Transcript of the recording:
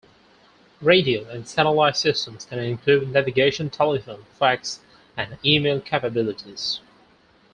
Radio and satellite systems can include navigation, telephone, fax, and email capabilities.